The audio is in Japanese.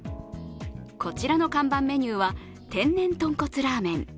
こちらの看板メニューは天然とんこつラーメン。